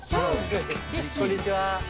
こんにちは。